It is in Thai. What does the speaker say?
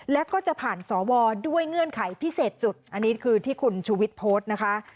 แล้วก็จะผ่านสวด้วยเงื่อนไขพิเศษจุดอันนี้คือที่คุณชูวิทย์โพสต์นะคะ